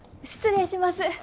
失礼します。